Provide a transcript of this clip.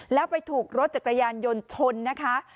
แล้วไปถูกรถจักรยานยนต์ชนนะคะ